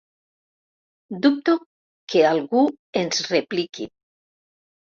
Dubto que algú ens repliqui.